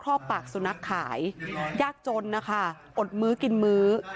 รอบปากสุนัขขายยากจนนะคะอดมื้อกินมื้อ